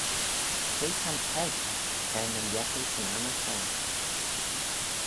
Cre ta'n peccah t'er ny lhiettal 'syn anney shoh?